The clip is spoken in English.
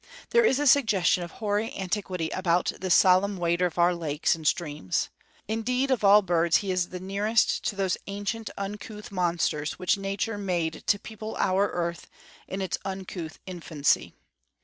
There is a suggestion of hoary antiquity about this solemn wader of our lakes and streams. Indeed, of all birds he is the nearest to those ancient, uncouth monsters which Nature made to people our earth in its uncouth infancy.